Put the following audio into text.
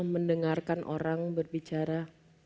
mendengarkan orang berbicara